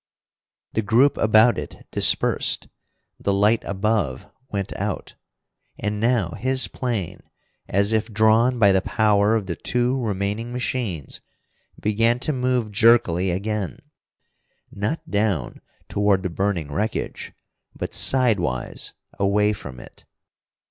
The group about it dispersed, the light above went out. And now his plane, as if drawn by the power of the two remaining machines, began to move jerkily again, not down toward the burning wreckage, but sidewise, away from it.